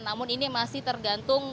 namun ini masih tergantung